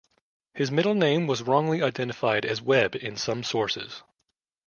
His middle name was wrongly identified as Webb in some sources.